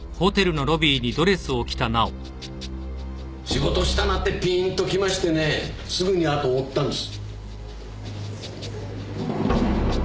仕事したなってピーンときましてねぇすぐにあとを追ったんです。